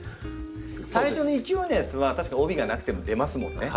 最初の勢いのやつは確かに帯がなくても出ますもんね。